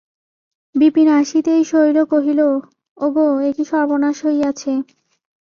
বিপিন আসিতেই শৈল কহিল, ওগো, এ কী সর্বনাশ হইয়াছে?